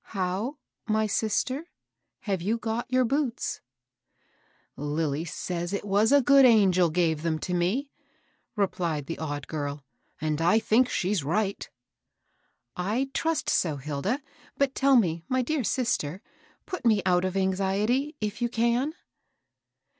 " How, my sister, have you got your boots ?"" Lilly says it was a good angel gave them to me," replied the odd girl, " and I think she's right." " I trust so, Hilda ! But tell me, my dear sis ter, — put me out of anxiety, — if you can."